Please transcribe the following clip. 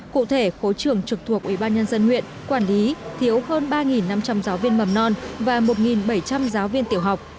cụ thể khối trưởng trực thuộc ủy ban nhân dân huyện quản lý thiếu hơn ba năm trăm linh giáo viên mầm non và một bảy trăm linh giáo viên tiểu học